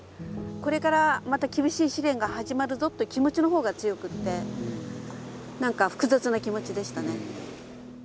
これからまた厳しい試練が始まるぞっていう気持ちの方が強くって何か複雑な気持ちでしたね。